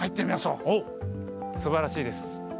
すばらしいです。